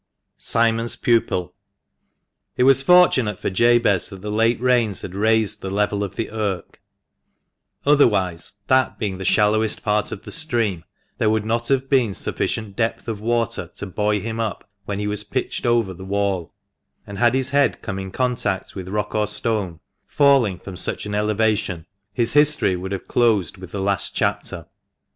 SIMON'S PUPIL. T was fortunate for Jabez that the late rains had raised the level of the Irk ; otherwise, that being the shallowest part of the stream, there would not have been sufficient depth of water to buoy him up when he was pitched over the wall ; and had his head come in contact with rock or stone, falling from such an elevation, his history would have closed with the last chapter.